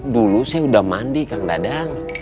dulu saya udah mandi kang dadang